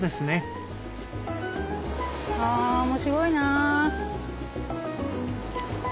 あ面白いな。